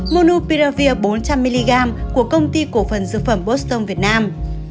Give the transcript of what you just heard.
monopiravir bốn trăm linh mg của công ty cổ phần dược phẩm boston việt nam